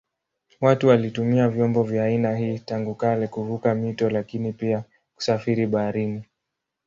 Watu walitumia vyombo vya aina hii tangu kale kuvuka mito lakini pia kusafiri baharini.